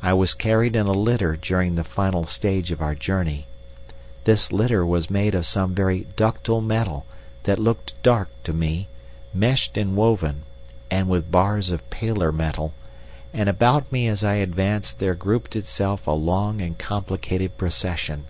I was carried in a litter during the final stage of our journey. This litter was made of some very ductile metal that looked dark to me, meshed and woven, and with bars of paler metal, and about me as I advanced there grouped itself a long and complicated procession.